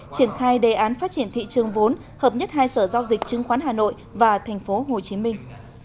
triển khai đề án phát triển thị trường vốn hợp nhất hai sở giao dịch chứng khoán hà nội và thành phố hồ chí minh